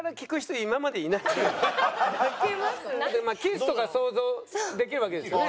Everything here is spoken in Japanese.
キスとか想像できるわけですよね？